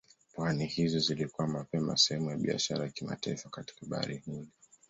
Pwani hizo zilikuwa mapema sehemu ya biashara ya kimataifa katika Bahari Hindi.